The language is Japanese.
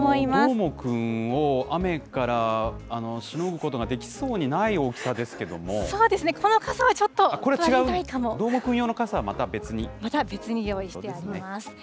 どーもくんを雨からしのぐことができそうにない大きさですけこの傘はちょっと頼りないかどーもくん用の傘はまた別にまた別に用意してあります。